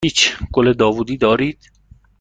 هیچ گل داوودی دارید؟